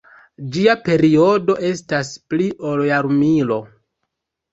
Ĝia periodo estas pli ol jarmilo.